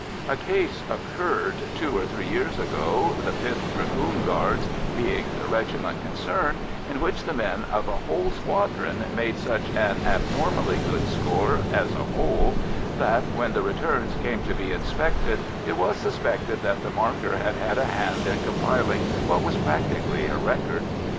A case occurred two or three years ago, the 5th Dragoon Guards being the regiment concerned, in which the men of a whole squadron made such an abnormally good score as a whole that, when the returns came to be inspected, it was suspected that the markers had had a hand in compiling what was practically a record.